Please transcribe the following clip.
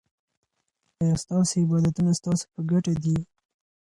آیا ستاسو عادتونه ستاسو په ګټه دي.